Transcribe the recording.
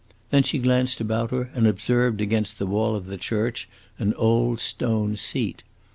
Then she glanced about her and observed, against the wall of the church, an old stone seat.